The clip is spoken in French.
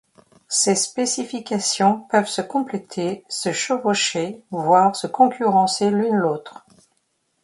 Ces spécifications peuvent se compléter, se chevaucher, voire se concurrencer l'une l'autre.